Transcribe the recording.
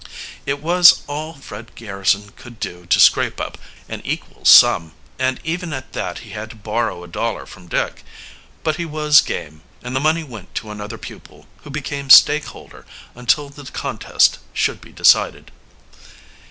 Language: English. It was all Fred Garrison could do to scrape up an equal sum, and even at that he had to borrow a dollar from Dick. But he was "game," and the money went to another pupil, who became stakeholder until the contest should be decided.